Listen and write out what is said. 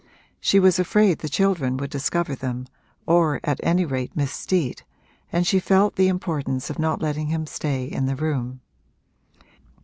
She was afraid the children would discover them, or at any rate Miss Steet, and she felt the importance of not letting him stay in the room.